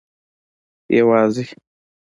یوازي